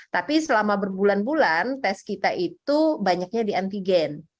tapi selama berbulan bulan tes kita itu banyaknya di antigen